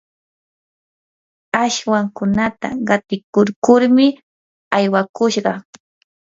ashmankunata qatikurkurmi aywakushqa.